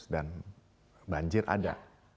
dan banjir ada